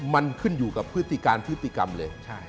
มันขึ้นอยู่กับพฤติการพฤติกรรมเลย